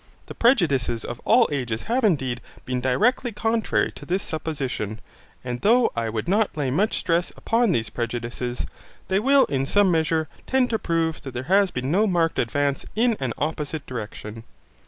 The prejudices of all ages have indeed been directly contrary to this supposition, and though I would not lay much stress upon these prejudices, they will in some measure tend to prove that there has been no marked advance in an opposite direction.